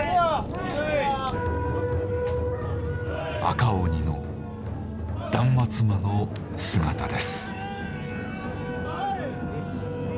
赤鬼の断末魔の姿です。